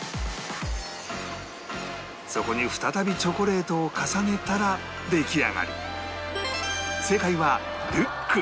そこに再びチョコレートを重ねたら出来上がり